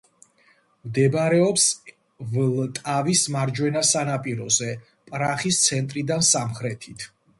მდებარეობს ვლტავის მარჯვენა სანაპიროზე, პრაღის ცენტრიდან სამხრეთით.